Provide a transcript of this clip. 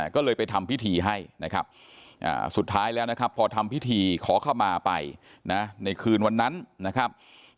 ก็เลยไปทำพิธีให้นะครับสุดท้ายแล้วนะครับพอทำพิธีขอเข้ามาไปนะในคืนวันนั้นนะครับ